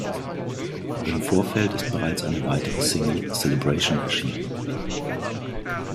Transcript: Im Vorfeld ist bereits eine weitere Single, "Celebration", erschienen.